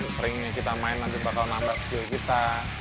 seringnya kita main nanti bakal nambah skill kita